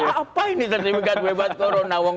apa ini sertifikat bebas corona wong